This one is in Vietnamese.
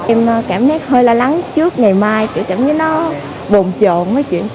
em cảm thấy hơi lo lắng trước ngày mai kiểu cảm giống như nó bồn trộn mấy chuyện